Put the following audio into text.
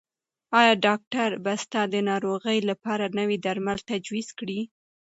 ایا ډاکټر به ستا د ناروغۍ لپاره نوي درمل تجویز کړي؟